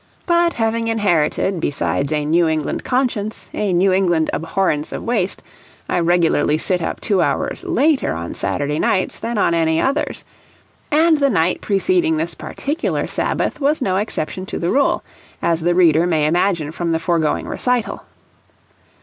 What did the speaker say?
But having inherited, besides a New England conscience, a New England abhorrence of waste, I regularly sit up two hours later on Saturday nights than on any others; and the night preceding this particular Sabbath was no exception to the rule, as the reader may imagine from the foregoing recital.